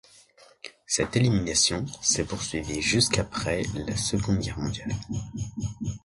Cette élimination s'est poursuivie jusqu'après la Seconde Guerre mondiale.